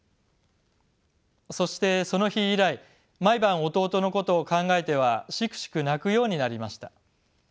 そしてその日以来毎晩弟のことを考えてはシクシク泣くようになりました。